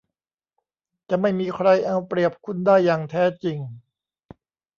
จะไม่มีใครเอาเปรียบคุณได้อย่างแท้จริง